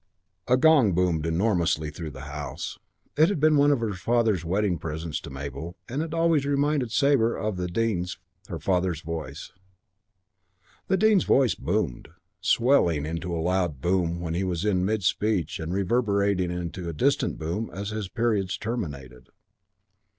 V A gong boomed enormously through the house. It had been one of her father's wedding presents to Mabel and it always reminded Sabre of the Dean's, her father's voice. The Dean's voice boomed, swelling into a loud boom when he was in mid speech and reverberating into a distant boom as his periods terminated.